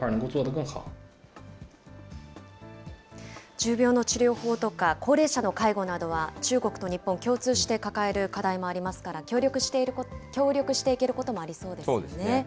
重病の治療法とか、高齢者の介護などは、中国と日本、共通して抱える課題もありますから、協力していけることもありそうですよね。